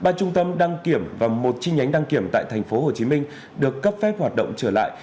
ba trung tâm đăng kiểm và một chi nhánh đăng kiểm tại tp hcm được cấp phép hoạt động trở lại